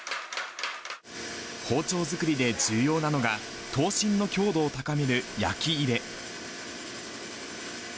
包丁作りで重要なのが、刀身の強度を高める焼き入れ。